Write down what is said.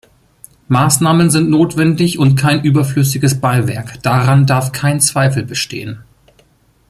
Maßnahmen sind notwendig und kein überflüssiges Beiwerk, daran darf kein Zweifel bestehen.